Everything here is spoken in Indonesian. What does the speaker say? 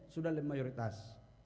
sudah ada mayoritas